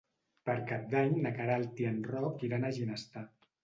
Per Cap d'Any na Queralt i en Roc iran a Ginestar.